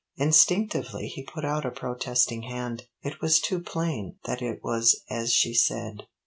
Instinctively he put out a protesting hand. It was too plain that it was as she said.